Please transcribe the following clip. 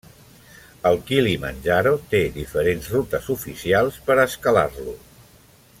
El Kilimanjaro té diferents rutes oficials per a escalar-lo.